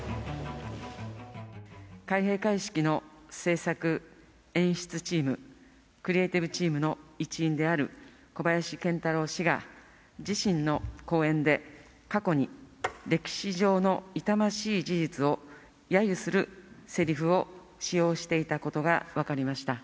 開閉会式の制作演出チーム、クリエーティブチームの一員である小林賢太郎氏が、自身の公演で、過去に歴史上の痛ましい事実をやゆするせりふを使用していたことが分かりました。